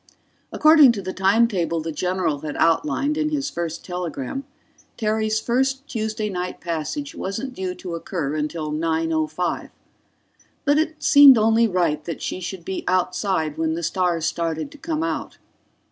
According to the time table the general had outlined in his first telegram, Terry's first Tuesday night passage wasn't due to occur till 9:05. But it seemed only right that she should be outside when the stars started to come out.